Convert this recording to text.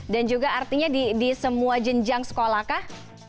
dan juga artinya di semua jenjang sekolah kah